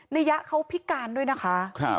ยะเขาพิการด้วยนะคะ